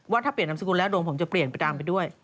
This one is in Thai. ว่าถ้าเปลี่ยนนามสกุลแล้วโรงผมจะเปลี่ยนไปด้วย